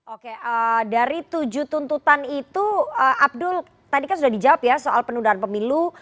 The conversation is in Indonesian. oke dari tujuh tuntutan itu abdul tadi kan sudah dijawab ya soal penundaan pemilu